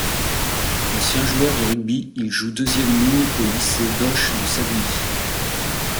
Ancien joueur de rugby, il joue deuxième ligne au lycée d'Auch de Salinis.